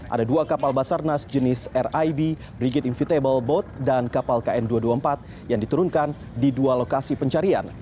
ada dua kapal basarnas jenis rib brigate invitable boat dan kapal kn dua ratus dua puluh empat yang diturunkan di dua lokasi pencarian